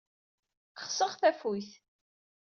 Xseɣ tafuyt.